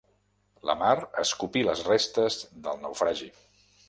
La mar escopí les restes del naufragi.